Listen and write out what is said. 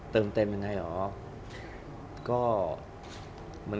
เติมเต็มยังไงเหรอ